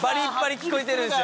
聞こえてるんですよ